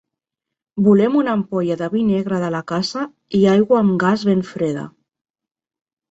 Volem una ampolla de vi negre de la casa, i aigua amb gas ben freda.